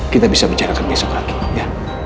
kita bisa bicarakan besok hakim ya